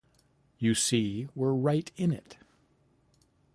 You see we're right in it!